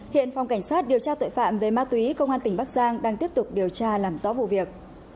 hiện phòng cảnh sát điều tra tội phạm về ma túy công an tỉnh bắc giang đang tiếp tục điều tra làm rõ vụ việc